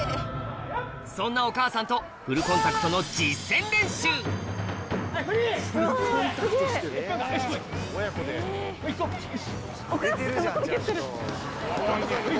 そんなお母さんとフルコンタクトの実践練習うおっ。